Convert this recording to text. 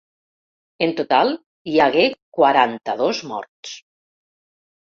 En total, hi hagué quaranta-dos morts.